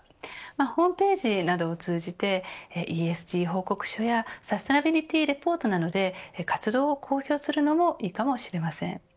ホームページなどを通じてＥＳＧサステナビリティ・レポートなどで活動を公表するのもいいかもしれません。